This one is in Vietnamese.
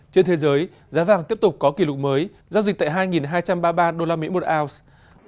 trên thế giới giá vàng tiếp tục có kỷ lục mới giao dịch tại hai hai trăm ba mươi ba usd một ounce